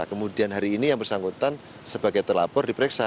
kemudian hari ini yang bersangkutan sebagai terlapor diperiksa